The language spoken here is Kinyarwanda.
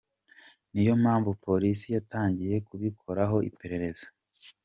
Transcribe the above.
Niyo mpamvu polisi yatangiye kubikoraho iperereza .